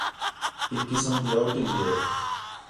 ہِک قسم تی آؤٹنگ ہِے